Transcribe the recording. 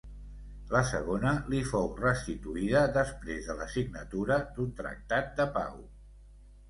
La segona li fou restituïda després de la signatura d'un tractat de pau.